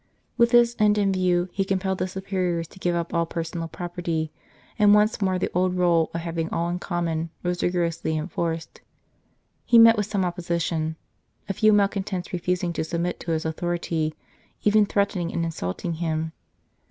With this end in view he compelled the Superiors to give up all personal property, and once more the old rule of having all in common was rigorously enforced. He met with some opposition, a few malcontents refusing to submit to his authority, even threaten ing and insulting him.